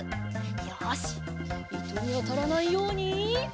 よしいとにあたらないように。